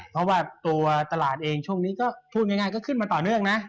เพราะว่าตัวตลาดเองช่วงนี้ก็พูดง่ายก็ขึ้นมาต่อเนื่องนะ